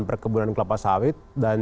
perkebunan kelapa sawit dan